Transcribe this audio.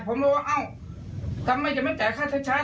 ผมรู้ว่าเอ้าทำไมจะไม่จ่ายค่าใช้